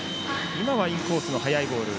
今はインコースの速いボール。